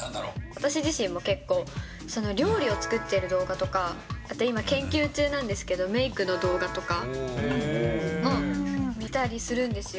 私自身も結構、料理を作っている動画とか、あと今研究中なんですけど、メークの動画とか、見たりするんですよ。